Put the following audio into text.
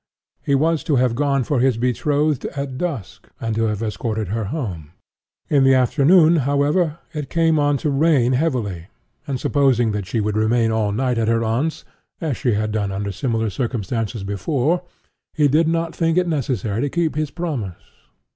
He was to have gone for his betrothed at dusk, and to have escorted her home. In the afternoon, however, it came on to rain heavily; and, supposing that she would remain all night at her aunt's, (as she had done under similar circumstances before,) he did not think it necessary to keep his promise.